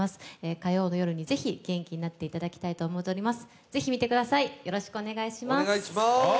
火曜の夜にぜひ元気になっていただきたいと思います。